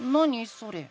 それ。